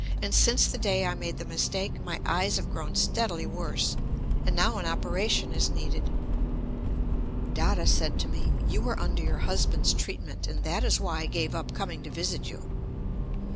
And since the day I made the mistake, my eyes have grown steadily worse; and now an operation is needed." Dada said to me: "You were under your husband's treatment, and that is why I gave up coming to visit you."